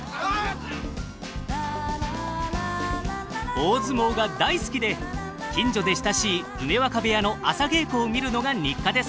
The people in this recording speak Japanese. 大相撲が大好きで近所で親しい梅若部屋の朝稽古を見るのが日課です。